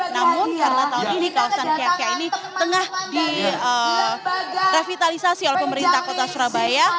namun karena tahun ini kawasan kyakya ini tengah direvitalisasi oleh pemerintah kota surabaya